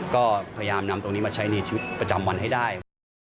ก็พยายามนำตรงนี้มาใช้ในชีวิตประจำวันให้ได้